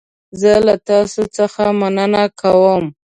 زه له تاسو څخه مننه کوم.